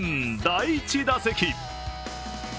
第１打席。